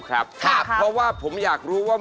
เพราะว่าผมอยากรู้ว่า